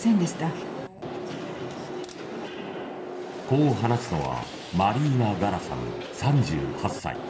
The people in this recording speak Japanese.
こう話すのはマリーナ・ガラさん、３８歳。